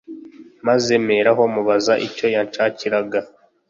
maze mperaho mubaza icyo yanshakiraga